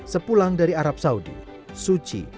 sepulang dari arab saudi